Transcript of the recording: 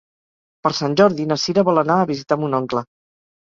Per Sant Jordi na Sira vol anar a visitar mon oncle.